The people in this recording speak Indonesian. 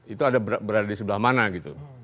itu berada di sebelah mana gitu